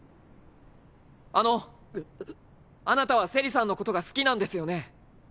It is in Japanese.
あのあなたはセリさんのことが好きなんですよね？